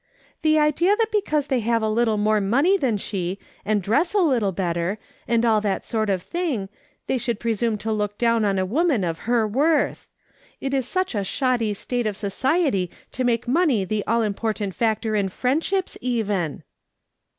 " Tlie idea that because they have a little more money than she, and dress a little better, and all that sort of thing, they should presume to look down on a woman of her wortli ! It is such a shoddy state of society to make money the all important factor in friendships, even